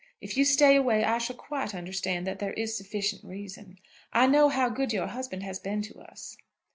If you stay away I shall quite understand that there is sufficient reason. I know how good your husband has been to us."